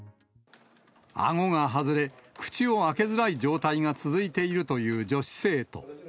あごが外れ、口を開けづらい状態が続いているという女子生徒。